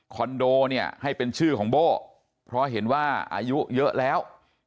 โดเนี่ยให้เป็นชื่อของโบ้เพราะเห็นว่าอายุเยอะแล้ว